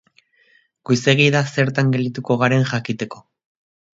Goizegi da zertan geldituko garen jakiteko.